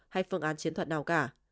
hay phương án chiến thuật nào cả